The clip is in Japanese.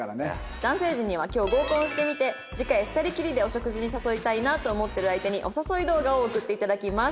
男性陣には今日合コンしてみて次回２人きりでお食事に誘いたいなと思ってる相手にお誘い動画を送っていただきます。